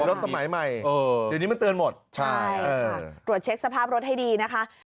รถสมัยใหม่เดี๋ยวนี้มันเตือนหมดใช่ค่ะตรวจเช็คสภาพรถให้ดีนะคะ